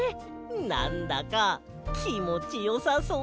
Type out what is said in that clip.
なんだかきもちよさそう！